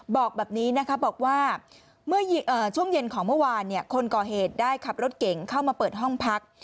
บอกแบบนี้นะคะบอกว่าเมื่อช่วงเย็นของเมื่อวานคนก่อเหตุได้ขับรถเก่งเข้ามาเปิดห้องพัก